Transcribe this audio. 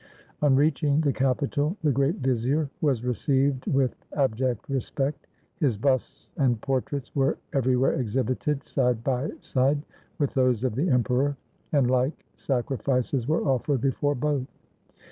On reaching the capital, the great vizier was received with abject respect. His busts and portraits were every where exhibited side by side with those of the emperor, and hke sacrifices were offered before both.